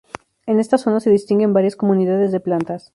En esta zona se distinguen varias comunidades de plantas.